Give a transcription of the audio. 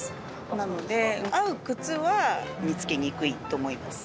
なので合う靴は見つけにくいと思います。